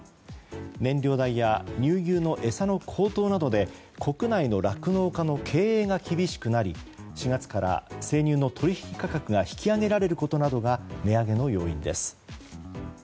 燃料代や乳牛の餌の高騰などで国内の酪農家の経営が厳しくなり４月から生乳の取引価格が引き上げられるこどなどが値上げの要因です。